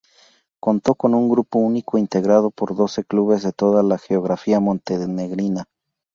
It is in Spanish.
Contó con un grupo único integrado por doce clubes de toda la geografía montenegrina.